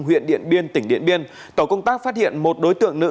huyện điện biên tỉnh điện biên tổ công tác phát hiện một đối tượng nữ